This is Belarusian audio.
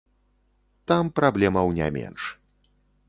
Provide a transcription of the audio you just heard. Там праблемаў не менш.